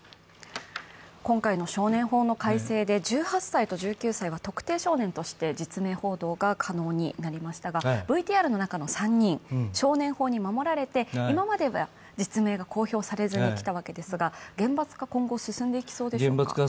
今回の少年法の改正で１８歳と１９歳は特定少年として実名報道が可能になりましたが、ＶＴＲの中の３人、少年法に守られて今までは実名が公表されずにきたわけですが、厳罰化、今後進んでいきそうでしょうか？